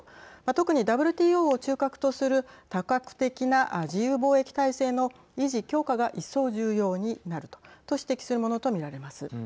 特にＷＴＯを中核とする多角的な自由貿易体制の維持・強化が一層、重要になるとと指摘するものと見られます。